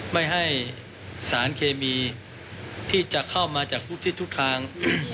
ไม่ให้สารเคมีที่จะเข้ามาจากทุกทิศทุกทาง